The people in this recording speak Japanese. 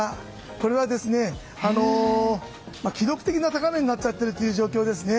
これは、記録的な高値になっちゃっている状況ですね。